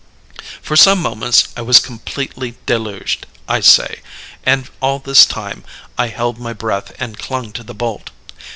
"For some moments I was completely deluged, I say; and all this time I held my breath and clung to the bolt.